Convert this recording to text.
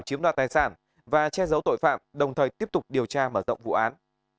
chiếm đoạt tài sản và che giấu tội phạm đồng thời tiếp tục điều tra mở rộng vụ án